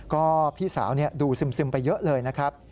ก็พี่สาวดูซึมไปเยอะเลยนะครับ